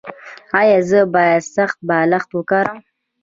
ایا زه باید سخت بالښت وکاروم؟